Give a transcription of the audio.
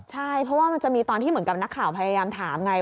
ใช่เพราะว่ามันจะมีตอนที่เหมือนกับนักข่าวพยายามถามไง